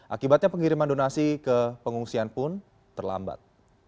akibatnya pengiriman donasi ke pengungsian pun terlambat